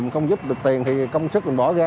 không giúp được tiền thì công sức mình bỏ ra